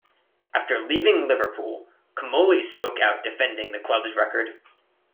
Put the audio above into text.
After leaving Liverpool, Comolli spoke out defending the club's record.